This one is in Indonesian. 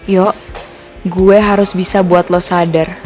yuk gue harus bisa buat lo sadar